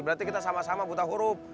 berarti kita sama sama buta huruf